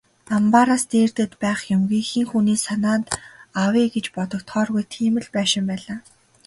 Амбаараас дээрдээд байх юмгүй, хэн хүний санаанд авъя гэж бодогдохооргүй тийм л байшин байлаа.